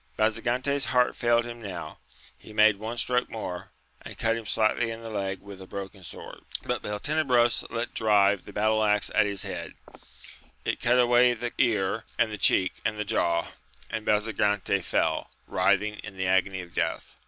Basagante's heart failed him now, he made one stroke more, and cut him slightly in the leg with the broken sword: but Beltenebros let drive the battle axe at his head ; it cut away the ear and the 32 AMADIS OF GAUL. cheek, and the jaw, and Basagante fell, ^^fthing in the agony of death.